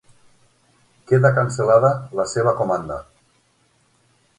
Queda cancel·lada la seva comanda.